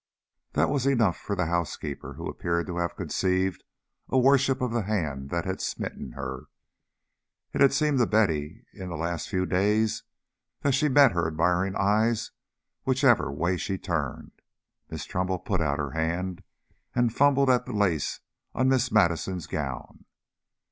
That was enough for the housekeeper, who appeared to have conceived a worship of the hand that had smitten her. It had seemed to Betty in the last few days that she met her admiring eyes whichever way she turned. Miss Trumbull put out her hand and fumbled at the lace on Miss Madison's gown.